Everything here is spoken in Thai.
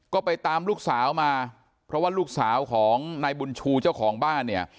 ก็ไปตามลูกสาวมาเพราะว่าลูกสาวของนายบุญชูเจ้าของบ้านเนี่ย